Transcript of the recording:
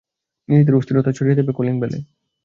নিজেদের অস্থিরতা ছড়িয়ে দেবে কলিং বেলে।